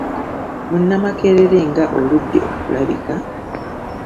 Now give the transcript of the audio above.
Munnamakerere nga oludde okulabika?